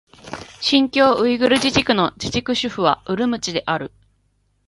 新疆ウイグル自治区の自治区首府はウルムチである